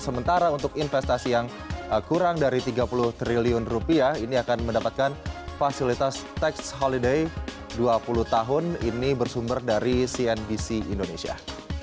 sementara untuk investasi yang kurang dari tiga puluh triliun rupiah ini akan mendapatkan fasilitas tax holiday dua puluh tahun ini bersumber dari cnbc indonesia